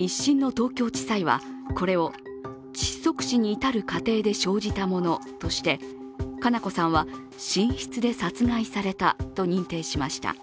１審の東京地裁は、これを窒息死に至る過程で生じたものとして佳菜子さんは寝室で殺害されたと認定しました。